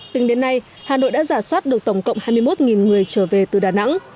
tính đến nay hà nội đã giả soát được tổng cộng hai mươi một người trở về từ đà nẵng